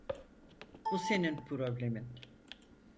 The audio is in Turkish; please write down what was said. Bu senin problemin.